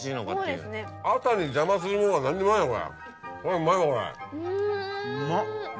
うまっ。